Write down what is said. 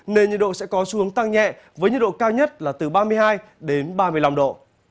nên nhiệt độ sẽ có xu hướng tăng nhẹ với nhiệt độ cao nhất là từ ba mươi hai đến ba mươi năm độ